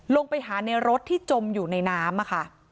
ลงไปหาในรถที่จมอยู่ในน้ำค่ะ